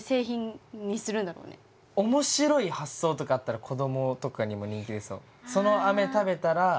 面白い発想とかあったら子供とかにも人気出そう。